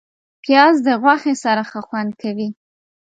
پیاز د غوښې سره ښه خوند کوي